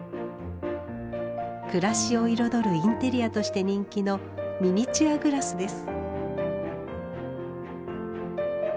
暮らしを彩るインテリアとして人気のミニチュアグラスです。